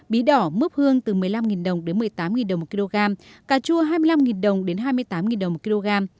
bí đỏ mướp hương từ một mươi năm đồng đến một mươi tám đồng một kg cà chua hai mươi năm đồng đến hai mươi tám đồng một kg